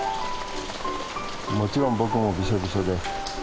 もちろん僕もびしょびしょです。